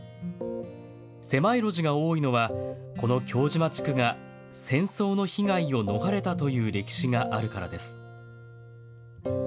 狭い路地が多いのはこの京島地区が戦争の被害を逃れたという歴史があるからです。